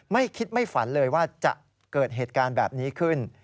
ไม่คิดไม่ฝันเลยว่าจะเกิดเหตุการณ์แบบนี้ขึ้น